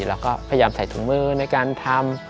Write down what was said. เราก็พยายามใส่ถุงมือในการทำ